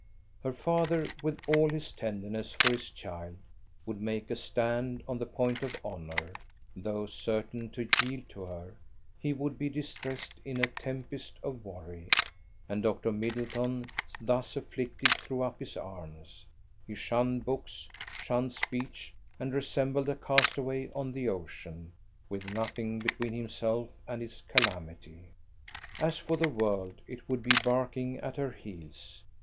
Her father, with all his tenderness for his child, would make a stand on the point of honour; though certain to yield to her, he would be distressed in a tempest of worry; and Dr. Middleton thus afflicted threw up his arms, he shunned books, shunned speech, and resembled a castaway on the ocean, with nothing between himself and his calamity. As for the world, it would be barking at her heels.